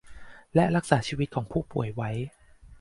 และรักษาชีวิตของผู้ป่วยไว้